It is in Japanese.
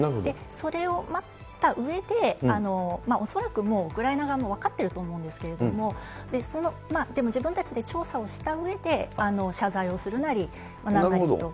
それを待ったうえで、恐らくもう、ウクライナ側も分かっていると思うんですけれども、でも自分たちで調査をしたうえで、謝罪をするなり、なんなりと。